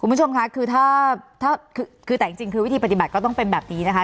คุณผู้ชมค่ะคือถ้าคือแต่จริงคือวิธีปฏิบัติก็ต้องเป็นแบบนี้นะคะ